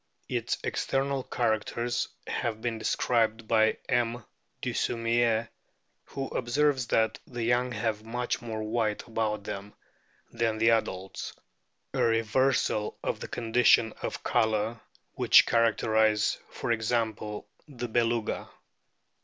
Its external characters have been described by M. Dussumier, who observes that the young have much more white about them than the adults a reversal of the conditions of colour which characterise, for example, the Beluga.